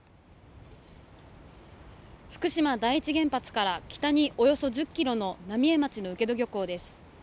福島第一原発から北におよそ１０キロの浪江町の請戸漁港です。